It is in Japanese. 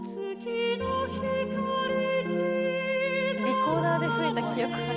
リコーダーで吹いた記憶が。